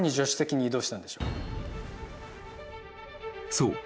［そう。